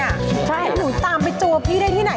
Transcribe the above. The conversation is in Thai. ใช่ถ้าหนูตามไปจูบพี่ได้ที่ไหน